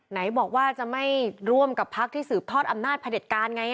ไหนบอกว่าจะไม่ร่วมกับพักที่สืบทอดอำนาจพระเด็จการไง